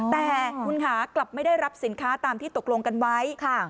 แต่คุณค่ะกลับไม่ได้รับสินค้าตามที่ตกลงกันไว้